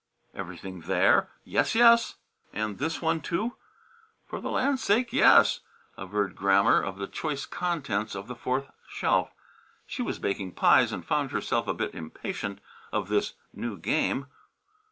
"Everything there?" "Yes, yes!" "And this one, too?" "For the land's sake, yes!" averred Grammer of the choice contents of the fourth shelf. She was baking pies and found herself a bit impatient of this new game.